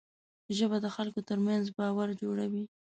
ژبه د خلکو ترمنځ باور جوړوي